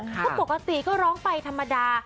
ก็ปกติก็ร้องไปธรรมดา